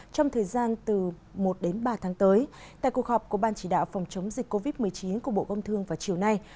trong thời gian từ một đến ba tháng tới tại cuộc họp của ban chỉ đạo phòng chống dịch covid một mươi chín của bộ công thương vào chiều nay